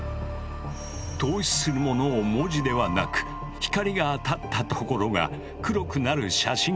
透視するものを文字ではなく光が当たった所が黒くなる写真